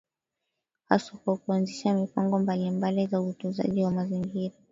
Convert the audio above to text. haswa kwa kuanzisha mipango mbali mbali za utunzaji wa mazingira